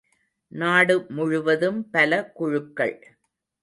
நாடு முழுவதும் பல குழுக்கள்!